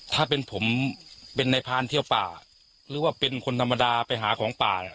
ถ้าเป็นผมเป็นนายพานเที่ยวป่าหรือว่าเป็นคนธรรมดาไปหาของป่า